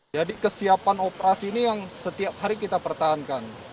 jadi kesiapan operasi ini yang setiap hari kita pertahankan